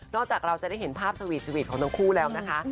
จากเราจะได้เห็นภาพสวีทวีทของทั้งคู่แล้วนะคะ